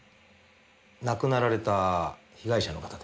亡くなられた被害者の方です。